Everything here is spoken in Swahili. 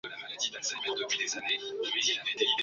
Idadi ya Wanyama wanaoambukizwa katika kundi